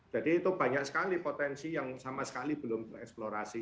jadi itu banyak sekali potensi yang sama sekali belum eksplorasi